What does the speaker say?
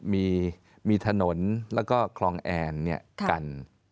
มีมีถนนแล้วก็คลองแอร์เนี่ยกัน